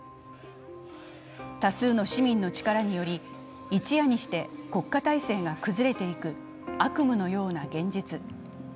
多数の市民の力により、一夜にして国家体制が崩れていく悪夢のような現実。